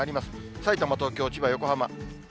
さいたま、東京、千葉、横浜。